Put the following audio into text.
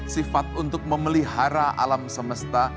sifat untuk memelihara alam semesta